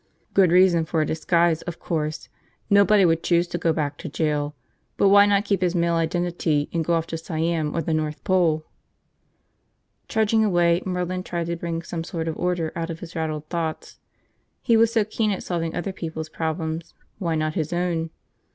Good reason for a disguise, of course. Nobody would choose to go back to jail. But why not keep his male identity and go off to Siam or the North Pole? Trudging away, Merlin tried to bring some sort of order out of his rattled thoughts. He was so keen at solving other people's problems, why not his own?